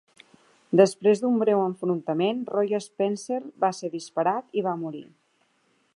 Després d'un breu enfrontament, Roy Spencer va ser disparat i va morir.